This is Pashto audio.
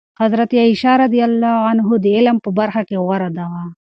حضرت عایشه رضي الله عنها د علم په برخه کې غوره وه.